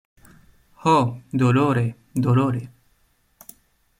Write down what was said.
Ho, dolore, dolore!